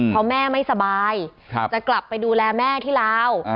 เพราะแม่ไม่สบายจะกลับไปดูแลแม่ที่ลาว